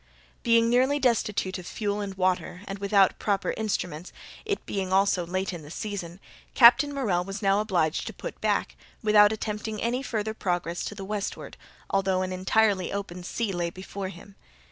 Being nearly destitute of fuel and water, and without proper instruments, it being also late in the season, Captain Morrell was now obliged to put back, without attempting any further progress to the westward, although an entirely open, sea lay before him.